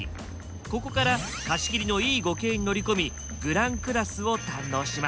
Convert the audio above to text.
ここから貸し切りのＥ５系に乗り込みグランクラスを堪能します。